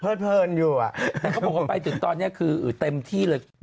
แต่เขาบอกว่าไปถึงตอนนี้คือเต็มที่เลย